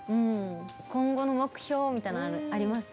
今後の目標みたいなのあります？